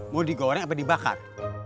mau di goreng apa di bakar